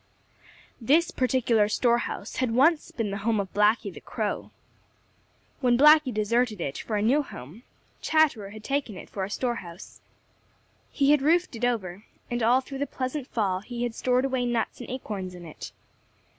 This particular store house had once been the home of Blacky the Crow. When Blacky deserted it for a new home, Chatterer had taken it for a store house. He had roofed it over, and all through the pleasant fall he had stored away nuts and acorns in it.